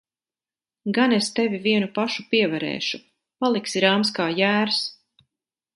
Gan es tevi vienu pašu pievarēšu! Paliksi rāms kā jērs.